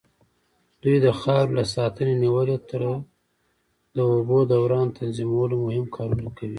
دوی د خاورې له ساتنې نيولې تر د اوبو دوران تنظيمولو مهم کارونه کوي.